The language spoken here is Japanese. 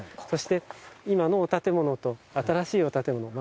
そして今のお建物と新しいお建物